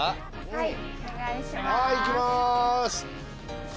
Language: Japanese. はい！